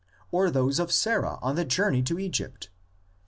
or those of Sarah on the journey to Egypt (xii.